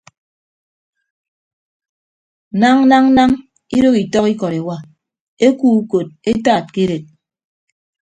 Nañ nañ nañ idooho itọk ikọt ewa ekuo ukot etaat ke edet.